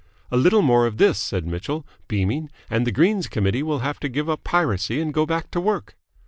"A little more of this," said Mitchell, beaming, "and the Greens Committee will have to give up piracy and go back to work."